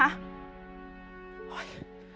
โอ้ย